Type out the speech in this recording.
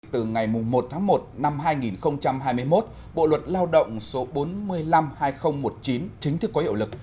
từ ngày một tháng một năm hai nghìn hai mươi một bộ luật lao động số bốn mươi năm hai nghìn một mươi chín chính thức có hiệu lực